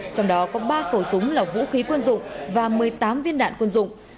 trong đó có ba khẩu súng là vũ khí quân dụng và một mươi tám viên đạn quân dụng